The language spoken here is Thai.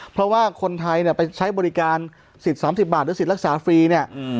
เพราะว่าคนไทยเนี่ยไปใช้บริการสิทธิ์๓๐บาทหรือสิทธิ์รักษาฟรีเนี่ย